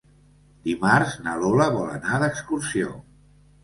Dimarts na Lola vol anar d'excursió.